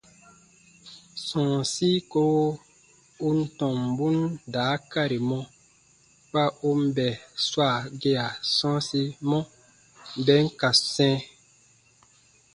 Sɔ̃ɔsi kowo u n tɔmbun daakari mɔ kpa u n bè swaa gea sɔ̃ɔsimɔ, bè n ka sɛ̃.